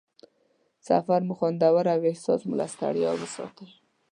سفر مو خوندور او احساس مو له ستړیا وساتي.